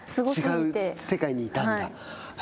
違う世界にいたんだ。